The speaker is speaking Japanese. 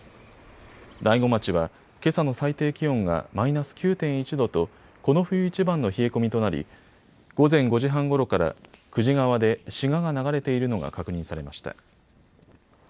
大子町は、けさの最低気温がマイナス９．１度とこの冬いちばんの冷え込みとなり午前５時半ごろから久慈川でシガが流れているのが確認されました。